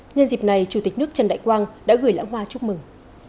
nhân dịp này chủ tịch nước trần đại quang đã gửi lãng hoa chúc mừng